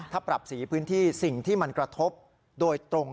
ถ้าปรับสีพื้นที่สิ่งที่มันกระทบโดยตรง